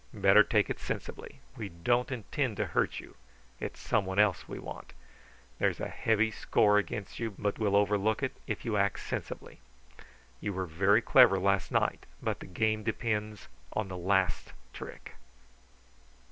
Better take it sensibly. We don't intend to hurt you. It's somebody else we want. There's a heavy score against you, but we'll overlook it if you act sensibly. You were very clever last night; but the game depends upon the last trick."